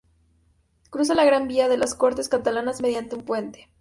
Cruza la Gran Vía de las Cortes Catalanas mediante un puente.